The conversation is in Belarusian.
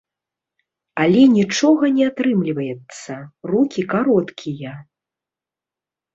Але нічога не атрымліваецца, рукі кароткія.